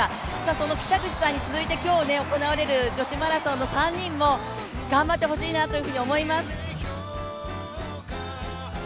その北口さんに続いて今日行われる女子マラソンの３人も頑張ってほしいなと思います。